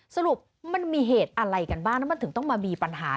สรุปมันมีเหตุอะไรกันบ้างแล้วมันถึงต้องมามีปัญหา